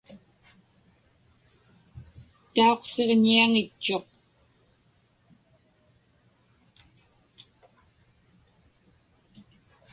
Tauqsiġñiaŋitchuq.